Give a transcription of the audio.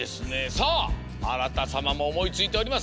さああらたさまもおもいついております。